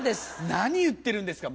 何言ってるんですか！